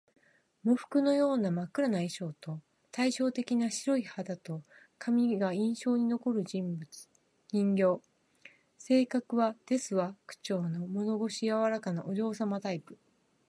喪服のような真っ黒な衣装と、対照的な白い肌と髪が印象に残る人形。性格は「ですわ」口調の物腰柔らかなお嬢様タイプ